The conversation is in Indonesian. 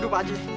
aduh pak haji